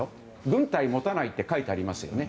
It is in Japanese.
軍隊を持たないって書いてありますよね。